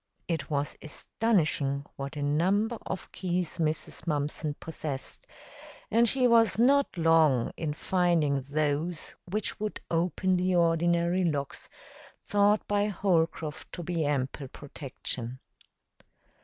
It was astonishing what a number of keys Mrs. Mumpson possessed, and she was not long in finding those which would open the ordinary locks thought by Holcroft to be ample protection.